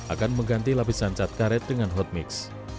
akan mengganti lapisan cat karet dengan hot mix